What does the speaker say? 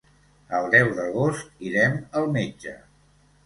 El deu d'agost irem al metge.